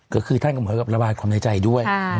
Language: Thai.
ก็คือท่านก็เหมือนกับระบายความในใจด้วย